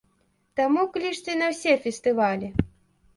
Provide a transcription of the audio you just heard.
Таму клічце на ўсе фестывалі!